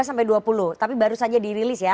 oke tiga belas sampai dua puluh tapi baru saja dirilis ya